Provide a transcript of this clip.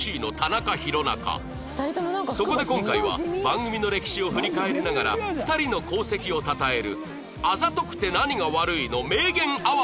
そこで今回は番組の歴史を振り返りながら２人の功績をたたえる